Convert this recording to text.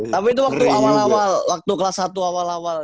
tapi itu waktu awal awal waktu kelas satu awal awal